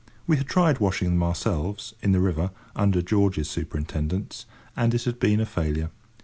We had tried washing them ourselves, in the river, under George's superintendence, and it had been a failure.